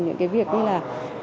những cái việc như là